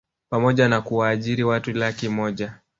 pamoja na kuwaajiri watu laki moja